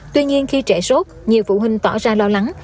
tuy nhiên khi trẻ sốt nhiều phụ huynh tỏ ra lo lắng